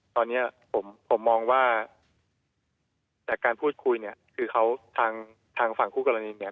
ตอนนี้ผมผมมองว่าจากการพูดคุยเนี่ยคือเขาทางทางฝั่งคู่กรณีเนี่ย